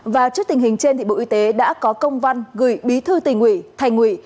và trước tình hình trên bộ y tế đã có công văn gửi bí thư tỉnh ủy thành ủy